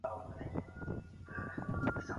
احمد شاه بابا ولې هند ته سفرونه وکړل؟